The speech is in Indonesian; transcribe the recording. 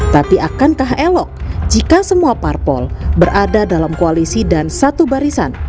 tapi akankah elok jika semua parpol berada dalam koalisi dan satu barisan